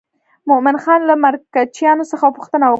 مومن خان له مرکچیانو څخه پوښتنه وکړه.